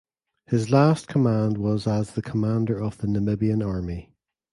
His last command was as the Commander of the Namibian Army.